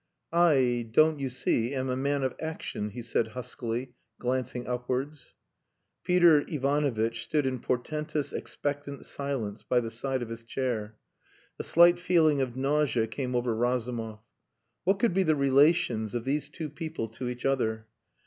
"I, don't you see, am a man of action," he said huskily, glancing upwards. Peter Ivanovitch stood in portentous expectant silence by the side of his chair. A slight feeling of nausea came over Razumov. What could be the relations of these two people to each other?